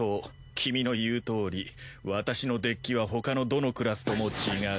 君の言うとおり私のデッキは他のどのクラスとも違う。